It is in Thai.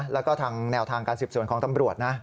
แล้วก็ทางแนวทางการสืบสวนของตำรวจนะ